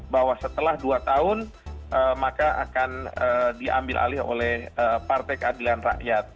bahwa setelah dua tahun maka akan diambil alih oleh partai keadilan rakyat